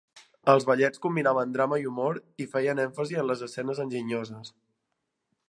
Els ballets combinaven drama i humor i feien èmfasi en les escenes enginyoses.